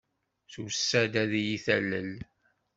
Tusa-d ad iyi-talel.